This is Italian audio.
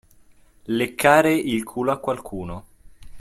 Leccare il culo a qualcuno.